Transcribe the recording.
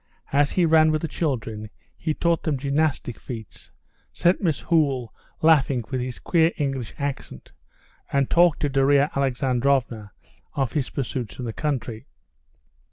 As he ran with the children, he taught them gymnastic feats, set Miss Hoole laughing with his queer English accent, and talked to Darya Alexandrovna of his pursuits in the country.